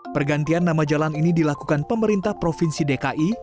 pergantian nama jalan ini dilakukan pemerintah provinsi dki